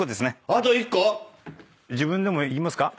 あと１個⁉自分でもいきますか？